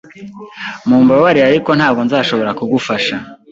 Mumbabarire, ariko ntabwo nzashobora kugufasha